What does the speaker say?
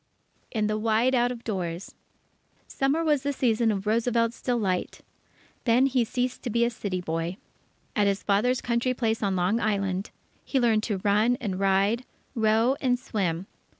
In the Wide Out of Doors Summer was the season of Roosevelt's delight. Then he ceased to be a city boy. At his father's country place on Long Island, he learned to run and ride, row, and swim.